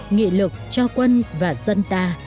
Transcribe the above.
nghị lực cho quân và dân ta